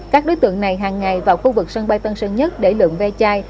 các đối tượng này hàng ngày vào khu vực sân bay tân sơn nhất để lượm ve chai